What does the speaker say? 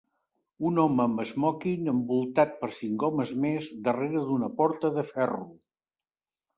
Un home amb esmoquin envoltat per cinc homes més darrera d'una porta de ferro.